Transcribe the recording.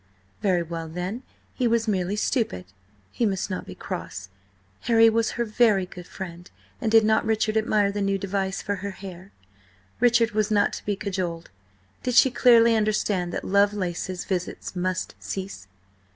Very well, then, he was merely stupid! He must not be cross; Harry was her very good friend, and did not Richard admire the new device for her hair? Richard was not to be cajoled: did she clearly understand that Lovelace's visits must cease?